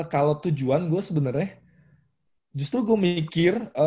kalau tujuan gue sebenarnya justru gue mikir